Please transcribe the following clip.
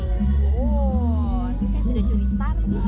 oh ini saya sudah curi sepati